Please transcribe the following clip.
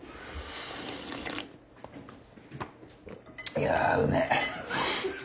いやうめぇ。